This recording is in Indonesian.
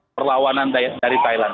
perlawanan dari thailand